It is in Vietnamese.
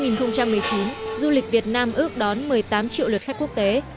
năm hai nghìn một mươi chín du lịch việt nam ước đón một mươi tám triệu lượt khách quốc tế